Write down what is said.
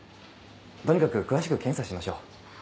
とにかく詳しく検査しましょう。